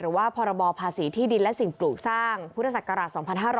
พรบภาษีที่ดินและสิ่งปลูกสร้างพุทธศักราช๒๕๕๙